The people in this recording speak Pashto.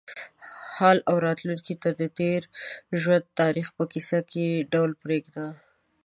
حال او راتلونکې ته د تېر ژوند تجربې په کیسه یې ډول پرېږدي.